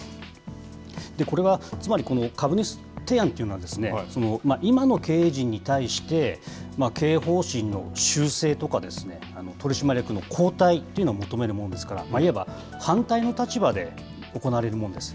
これは、つまり株主提案というのは、今の経営陣に対して、経営方針の修正とか、取締役の交代というのを求めるものですから、いわば反対の立場で行われるものです。